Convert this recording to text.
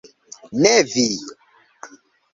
Ne vi!